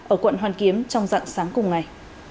ở quận hoàn kiếm trong dặn sáng cùng ngày